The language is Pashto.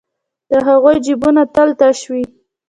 د هغوی جېبونه تل تش وي